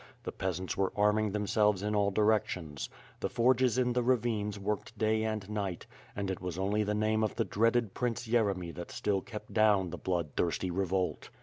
The peas ants were arming themselves in all directions. The forges in the ravines worked day and night, and it was only the name of the dreaded Prince Yeremy that still kept down the blood thirsty revolt.